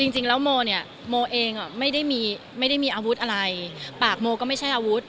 จริงแล้วโมเนี่ยโมเองไม่ได้มีอาวุธอะไรปากโมก็ไม่ใช่อาวุธ